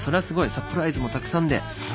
サプライズもたくさんで。